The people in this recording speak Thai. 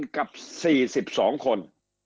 ๗๐๐๐กับ๔๒คน